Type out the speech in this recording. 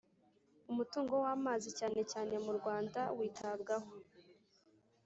umutungo w amazi cyane cyane mu Rwanda witabwaho